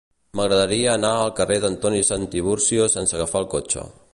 M'agradaria anar al carrer d'Antoni Santiburcio sense agafar el cotxe.